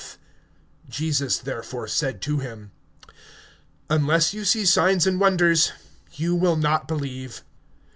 (48)Jesus therefore said to him: Except ye see signs and wonders, ye will not believe.